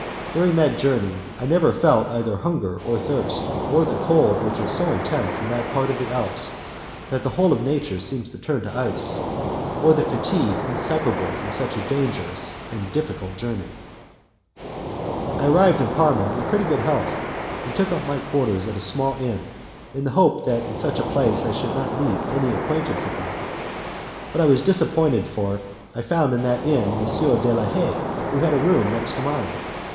During that journey I never felt either hunger or thirst, or the cold which is so intense in that part of the Alps that the whole of nature seems to turn to ice, or the fatigue inseparable from such a difficult and dangerous journey. I arrived in Parma in pretty good health, and took up my quarters at a small inn, in the hope that in such a place I should not meet any acquaintance of mine. But I was much disappointed, for I found in that inn M. de la Haye, who had a room next to mine.